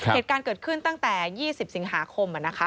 เหตุการณ์เกิดขึ้นตั้งแต่๒๐สิงหาคม